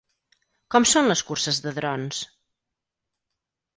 Com són les curses de drons?